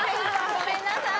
ごめんなさい！